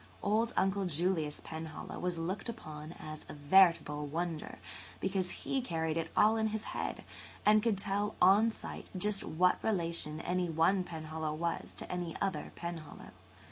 Old Uncle Julius Penhallow was looked upon as a veritable wonder because he carried it all in his head and could tell on sight just what relation any one Penhallow was to any other Penhallow.